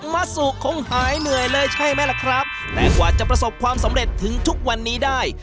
มะสุคงหายเหนื่อยเลยใช่ไหมล่ะครับแต่กว่าจะประสบความสำเร็จถึงทุกวันนี้ได้